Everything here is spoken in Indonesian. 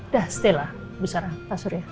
dah stay lah bu sara pak surya